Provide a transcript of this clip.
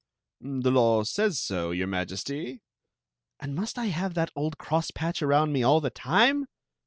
"The law says so, your Majesty." "And must I have that old crosspatch around me all the time?"